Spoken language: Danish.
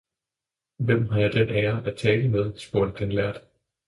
Hvem har jeg den ære at tale med? spurgte den lærde.